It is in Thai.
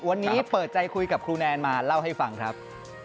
วันนี้เปิดใจคุยกับครูแนนมาเล่าให้ฟังครับ